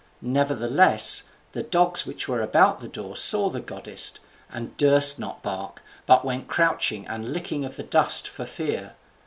Nevertheless, the dogs which were about the door saw the goddess, and durst not bark, but went crouching and licking of the dust for fear.